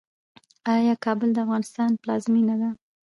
آیا کابل د افغانستان پلازمینه ده؟